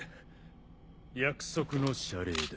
約束の謝礼だ。